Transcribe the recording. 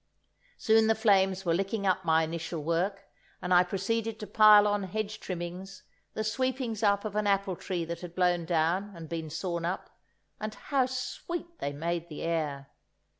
Soon the flames were licking up my initial work, and I proceeded to pile on hedge trimmings, the sweepings up of an apple tree that had blown down and been sawn up—and how sweet they made the air!